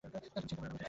তুমি চিন্তা করো না।